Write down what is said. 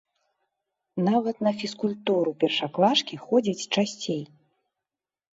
Нават на фізкультуру першаклашкі ходзяць часцей.